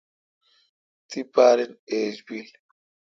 تی پارن ایج بل۔